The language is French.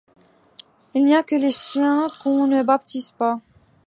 Il n’y a que les chiens qu’on ne baptise pas.